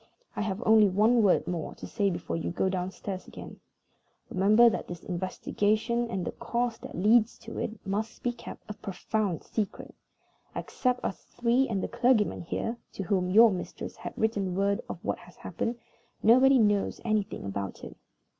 I have only one word more to say before you go downstairs again. Remember that this investigation and the cause that leads to it must be kept a profound secret. Except us three, and the clergyman here (to whom your mistress has written word of what has happened), nobody knows anything about it.